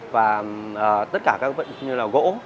và tất cả các vật như là gỗ